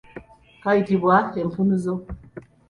Kayitibwa empumuzo.